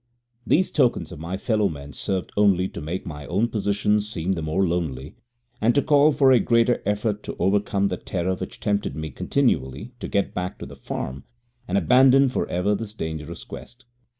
These tokens of my fellow men served only to make my own position seem the more lonely, and to call for a greater effort to overcome the terror which tempted me continually to get back to the farm, and abandon for ever this dangerous quest.